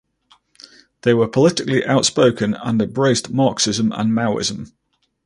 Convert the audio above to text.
They were politically outspoken and embraced Marxism and Maoism.